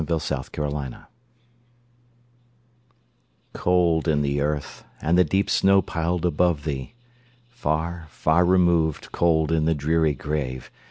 Emily Brontë Remembrance COLD in the earth, and the deep snow piled above thee! Far, far removed, cold in the dreary grave!